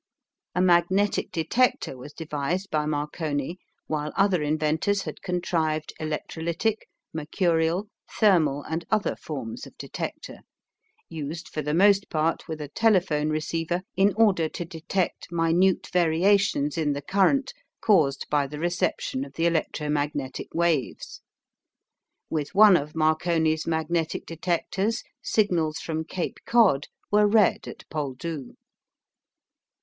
A magnetic detector was devised by Marconi while other inventors had contrived electrolytic, mercurial, thermal, and other forms of detector, used for the most part with a telephone receiver in order to detect minute variations in the current caused by the reception of the electro magnetic waves. With one of Marconi's magnetic detectors signals from Cape Cod were read at Poldhu.